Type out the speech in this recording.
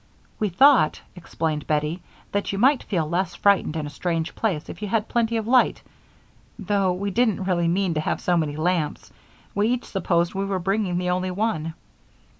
"We thought," explained Bettie, "that you might feel less frightened in a strange place if you had plenty of light, though we didn't really mean to have so many lamps we each supposed we were bringing the only one.